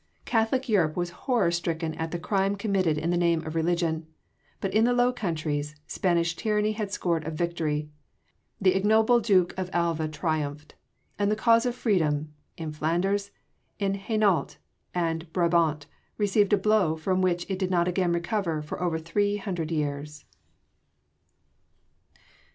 Catholic Europe was horror stricken at the crime committed in the name of religion; but in the Low Countries, Spanish tyranny had scored a victory the ignoble Duke of Alva triumphed and the cause of freedom in Flanders and Hainault and Brabant received a blow from which it did not again recover for over three hundred years!